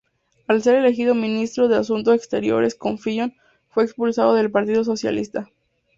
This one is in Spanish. Al ser elegido Ministro de Asuntos Exteriores con Fillon, fue expulsado del Partido Socialista.